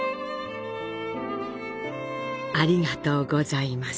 ありがとうございます。